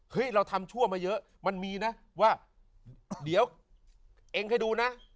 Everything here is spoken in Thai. เราทำชั่วมาเยอะมันมีนะว่าเดี๋ยวเองให้ดูนะ